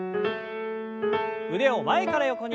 腕を前から横に。